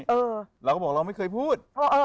เออเราก็บอกเราไม่เคยพูด